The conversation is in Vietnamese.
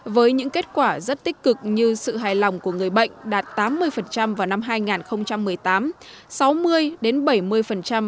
với những kết quả rất tích cực như sự hài lòng của người bệnh đạt tám mươi vào năm hai nghìn một mươi chín